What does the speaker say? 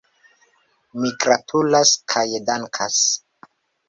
Mi gratulas kaj dankas.